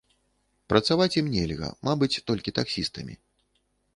Працаваць ім нельга, мабыць, толькі таксістамі.